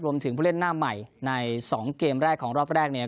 ผู้เล่นหน้าใหม่ใน๒เกมแรกของรอบแรกเนี่ย